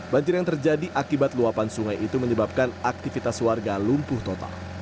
banjir yang terjadi akibat luapan sungai itu menyebabkan aktivitas warga lumpuh total